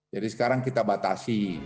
jadi sekarang kita batasi